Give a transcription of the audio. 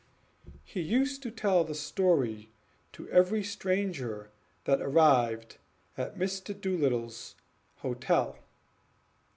He used to tell his story to every stranger that arrived at Mr. Doolittle's hotel.